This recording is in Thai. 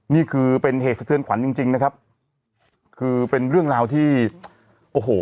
นี่คือเป็นเหตุสะเทือนขวัญจริงจริงนะครับคือเป็นเรื่องราวที่โอ้โห